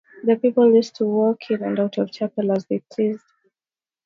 The people used to walk in and out of the chapel as they pleased.